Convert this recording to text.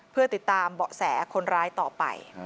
เพื่อติดตามเบาะแสคนร้ายต่อไป